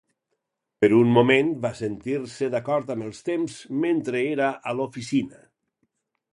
Per un moment, va sentir-se d'acord amb els temps mentre era a l'oficina.